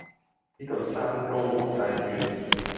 呢度山高皇帝遠